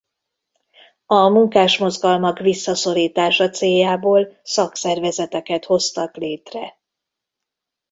A munkásmozgalmak visszaszorítása céljából szakszervezeteket hoztak létre.